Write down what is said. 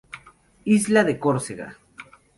Isla de Córcega.